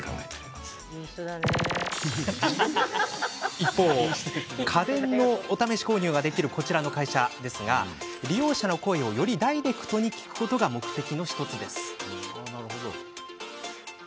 一方、家電のお試し購入ができるこちらの会社では、利用者の声をよりダイレクトに聞くことが目的の１つです。